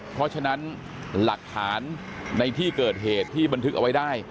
เพราะฉะนั้นหลักฐานในที่เกิดเหตุที่บันทึกเอาไว้ได้